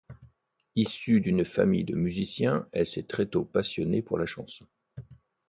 Issue d’une famille de musiciens, elle s’est très tôt passionnée pour la chanson.